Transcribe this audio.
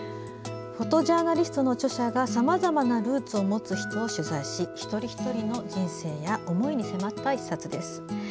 フォトジャーナリストの著者がさまざまなルーツを持つ人を取材し一人一人の人生や思いに迫った１冊です。